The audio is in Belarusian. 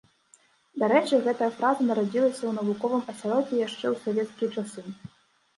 Дарэчы, гэтая фраза нарадзілася ў навуковым асяроддзі яшчэ ў савецкія часы.